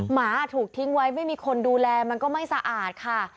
หมาถูกทิ้งไว้ไม่มีคนดูแลมันก็ไม่สะอาดค่ะ